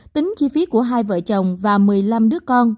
tính chi phí của hai vợ chồng và một mươi năm đứa con